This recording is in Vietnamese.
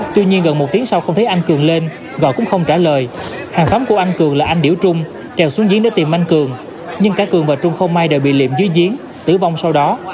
tuy nhiên gần một tiếng sau không thấy anh cường lên gọi cũng không trả lời hàng xóm của anh cường là anh điểu trung treo xuống diễn để tìm anh cường nhưng cả cường và trung không may đều bị liệm dưới chiến tử vong sau đó